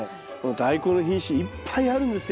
ダイコンの品種いっぱいあるんですよ。